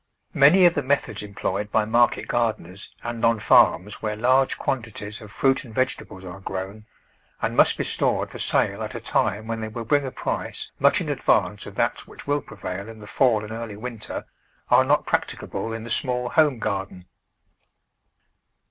Many of the methods emploj^ed by market gardeners and on farms where large quantities of fruit and vegetables are grown, and must be stored for sale at a time when they will bring a price much in advance of that which will prevail in the fall and early winter, are not practicable in the small home garden.